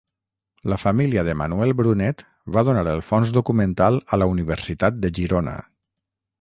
La família de Manuel Brunet va donar el fons documental a la Universitat de Girona.